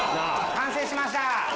完成しました。